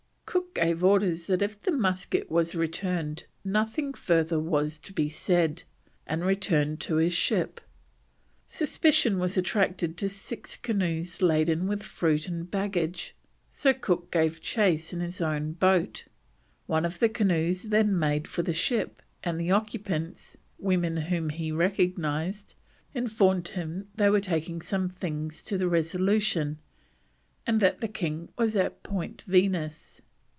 Cook gave orders that if the musket was returned nothing further was to be said, and returned to his ship. Suspicion was attracted to six canoes laden with fruit and baggage, so Cook gave chase in his own boat. One of the canoes then made for the ship, and the occupants, women whom he recognised, informed him they were taking some things to the Resolution, and that the king was at Point Venus.